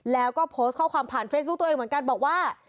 แล้วก็โพสต์ข้อความผ่านเฟซบุ๊คตัวเองเหมือนกันบอกว่า